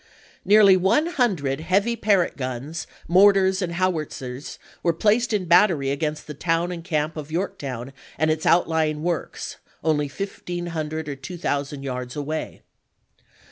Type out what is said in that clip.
Nearly one hundred heavy Parrott guns, mortars, and howitzers were placed in battery against the town and camp of Yorktown and its outlying works, only 1500 or 2000 yards away.